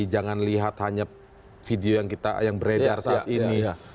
jangan lihat hanya video yang beredar saat ini